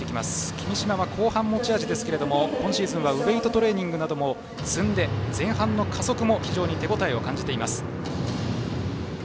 君嶋は後半が持ち味ですが今シーズンはウエイトトレーニングも積んで、前半の加速も非常に手応えを感じています。